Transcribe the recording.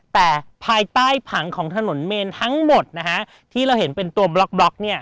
แต่ภายใต้ผังของถนนเมนทั้งหมดนะฮะที่เราเห็นเป็นตัวบล็อกเนี่ย